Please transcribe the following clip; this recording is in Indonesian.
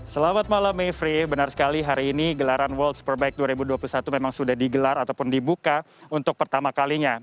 selamat malam mevri benar sekali hari ini gelaran world superbike dua ribu dua puluh satu memang sudah digelar ataupun dibuka untuk pertama kalinya